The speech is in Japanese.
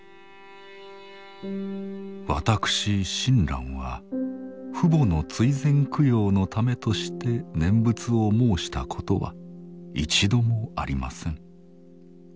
私親鸞は父母の追善供養のためとして念仏を申したことは一度もありません。